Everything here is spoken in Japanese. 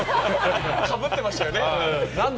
かぶってましたよね。